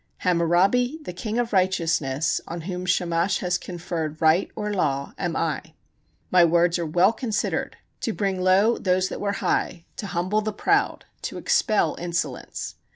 Hammurabi, the king of righteousness, on whom Shamash has conferred right [or law] am I. My words are well considered, my deeds are not equaled, to bring low those that were high, to humble the proud, to expel insolence.